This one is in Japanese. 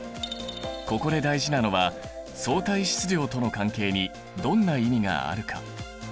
ここで大事なのは相対質量との関係にどんな意味があるか？